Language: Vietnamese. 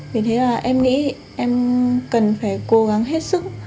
vì thế là em nghĩ em cần phải cố gắng hết sức